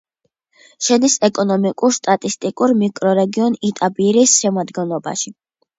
შედის ეკონომიკურ-სტატისტიკურ მიკრორეგიონ იტაბირის შემადგენლობაში.